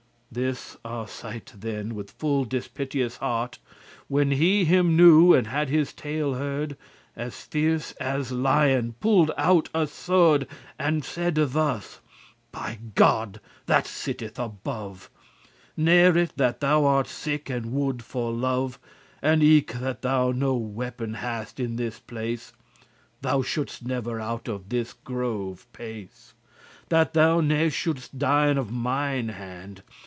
This Arcite then, with full dispiteous* heart, *wrathful When he him knew, and had his tale heard, As fierce as lion pulled out a swerd, And saide thus; "By God that sitt'th above, *N'ere it* that thou art sick, and wood for love, *were it not* And eke that thou no weap'n hast in this place, Thou should'st never out of this grove pace, That thou ne shouldest dien of mine hand.